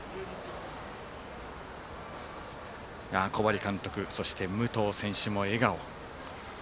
小針監督、そして武藤選手も笑顔。